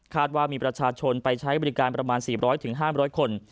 คาดว่ามีประชาชนไปใช้บริการประมาณสี่ร้อยถึงห้ามร้อยคน